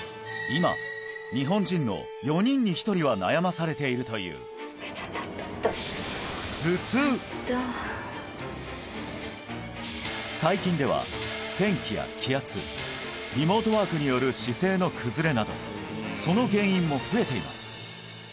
今は悩まされているという最近では天気や気圧リモートワークによる姿勢の崩れなどその原因も増えています